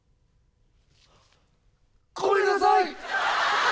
ごめんなさい！